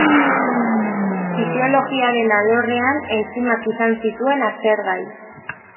Fisiologiaren alorrean entzimak izan zituen aztergai.